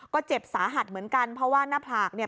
ก็เจ็บสาหัสเหมือนกันเพราะว่าหน้าผากเนี่ย